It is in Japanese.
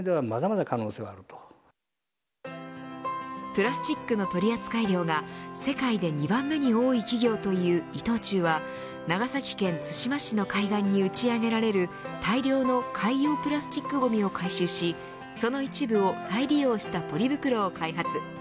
プラスチックの取り扱い量が世界で２番目に多い企業という伊藤忠は長崎県対馬市の海岸に打ち上げられる大量の海洋プラスチックごみを回収しその一部を再利用したポリ袋を開発。